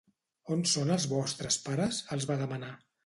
On són els vostres pares? —els va demanar.